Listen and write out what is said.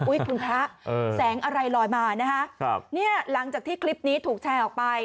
คุณพระแสงอะไรลอยมานะฮะครับเนี่ยหลังจากที่คลิปนี้ถูกแชร์ออกไป